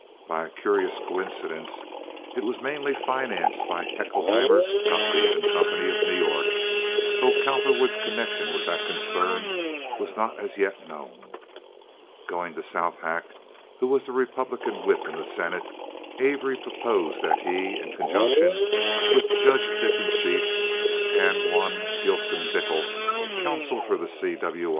By a curious coincidence it was mainly financed by Haeckelheimer, Gotloeb & Co., of New York, though Cowperwood's connection with that concern was not as yet known. Going to Southack, who was the Republican whip in the senate, Avery proposed that he, in conjunction with Judge Dickensheets and one Gilson Bickel, counsel for the C. W.